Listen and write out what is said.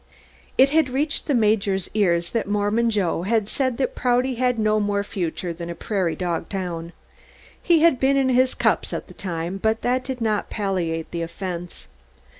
It had reached the Major's ears that Mormon Joe had said that Prouty had no more future than a prairie dog town. He had been in his cups at the time but that did not palliate the offense.